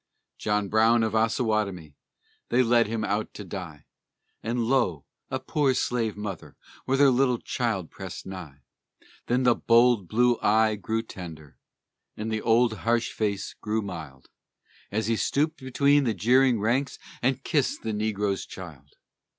John Brown of Ossawatomie, they led him out to die; And lo! a poor slave mother with her little child pressed nigh. Then the bold, blue eye grew tender, and the old harsh face grew mild, As he stooped between the jeering ranks and kissed the negro's child!